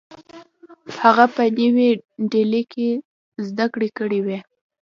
هغه په نوې ډیلي کې زدکړې کړې وې